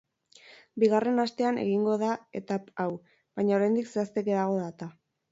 Bigarren astean egingo da etap hau, baina oraindik zehazteke dago data.